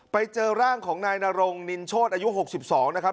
ไปเจอร่างของนายนารงนินโชธอายุหกสิบสองนะครับ